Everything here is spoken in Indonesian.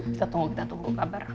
kita tunggu tunggu kabar